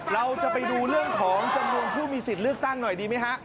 เราจะไปดูเรื่องของจำนวนผู้มีสิทธิ์เลือกตั้งหน่อยดีไหมฮะ